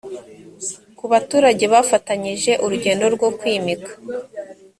ku baturage bafatanyije urugendo rwo kwimika